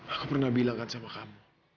aku pernah bilang kan sama kamu